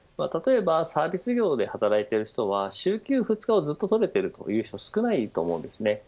例えばサービス業で働いている人は週休２日をずっと取れている人は少ないと思います。